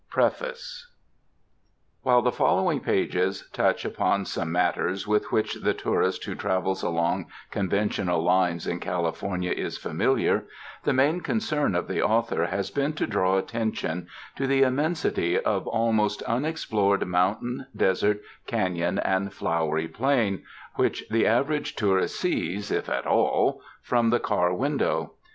PREFACE While the following pages touch upon some mat ters with which the tourist who travels along con ventional lines in California is familiar, the main concern of the author has been to draw attention to an immensity of almost unexplored mountain, desert, canon and flowery plain, which the average tourist sees — if at all — from the car window.